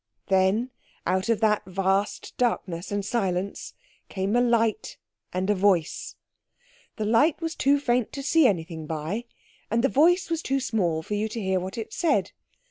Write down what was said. Then out of that vast darkness and silence came a light and a voice. The light was too faint to see anything by, and the voice was too small for you to hear what it said.